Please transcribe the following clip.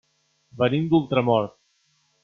Venim d'Ultramort.